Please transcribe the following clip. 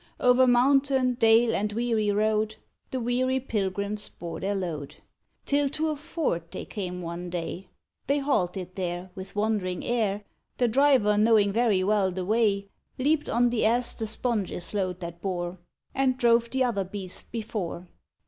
O'er mountain, dale, and weary road. The weary pilgrims bore their load, Till to a ford they came one day; They halted there With wondering air; The driver knowing very well the way, Leaped on the Ass the sponges' load that bore, And drove the other beast before.